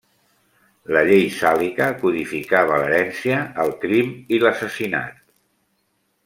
La Llei Sàlica codificava l'herència, el crim i l'assassinat.